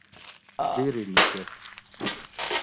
بیری نِیکیس